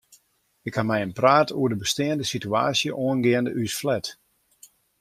Ik ha mei him praat oer de besteande sitewaasje oangeande ús flat.